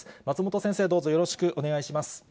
松本先生、どうぞよろしくお願いいたします。